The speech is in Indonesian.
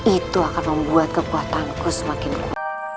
itu akan membuat kekuatanku semakin kuat